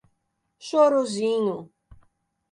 Chorozinho